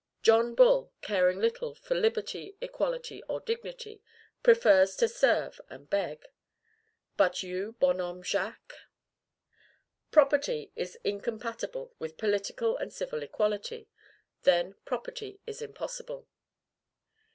John Bull caring little for liberty, equality, or dignity prefers to serve and beg. But you, bonhomme Jacques? Property is incompatible with political and civil equality; then property is impossible.